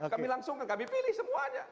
kami langsung kan kami pilih semuanya